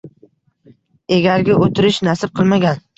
Egarga o`tirish nasib qilmagan